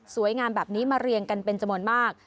สวยงามแบบนี้มาเรียงกันเป็นจมนต์มาก